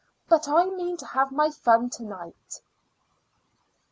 But I mean to have my fun to night."